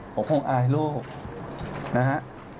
ผมคงอายลูกนะฮะ